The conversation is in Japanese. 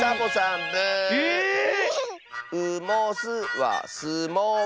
「う・も・す」は「す・も・う」。